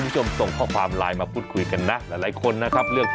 ใช้เมียได้ตลอด